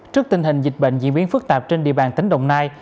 trước tình hình dịch bệnh diễn biến phức tạp trên địa bàn tỉnh đồng nai